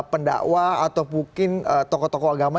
pendakwa atau mungkin tokoh tokoh agama